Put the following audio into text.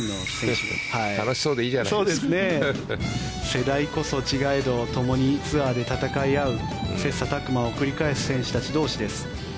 世代こそ違えどともにツアーで戦い合う切磋琢磨を繰り返す選手たち同士です。